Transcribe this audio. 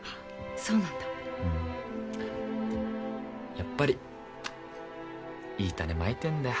やっぱりいい種蒔いてんだよ。